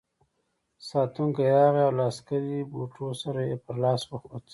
ساتونکی راغی او له عسکري بوټو سره یې پر لاس وخوت.